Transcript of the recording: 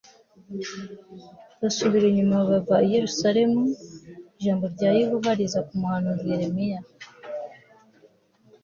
basubira inyuma bava i Yerusalemu v Ijambo rya Yehova riza ku muhanuzi Yeremiya